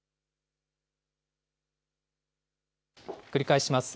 繰り返します。